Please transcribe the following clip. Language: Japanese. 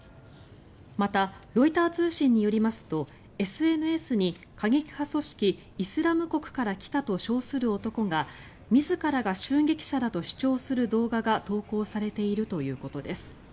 また、ロイター通信によりますとＳＮＳに過激派組織イスラム国から来たと称する男が自らが襲撃者だと主張する動画が投稿されているということです。